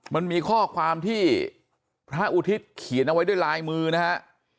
มันมีข้อความที่พระอุทิศเขียนเอาไว้ด้วยลายมือนะฮะ